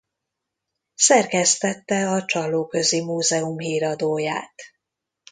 Szerkesztette a Csallóközi Múzeum Híradóját.